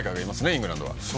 イングランドには。